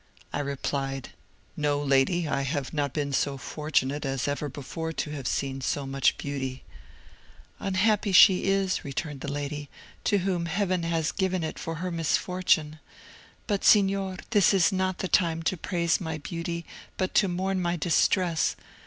I replied, 'No, lady! I have not been so fortunate as ever before to have seen so much beauty.' 'Unhappy is she,' returned the lady, 'to whom heaven has given it for her misfortune. But, Signor, this is not the time to praise my beauty, but to mourn my distress.